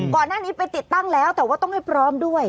ก่อนหน้านี้ไปติดตั้งแล้วแต่ว่าต้องให้พร้อมด้วย